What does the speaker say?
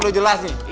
udah jelas nih